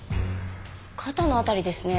肩の辺りですね。